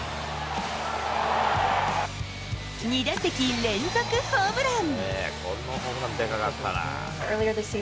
２打席連続ホームラン。